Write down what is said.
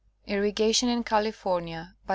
IRRIGATION IN CALIFORNIA. By Wm.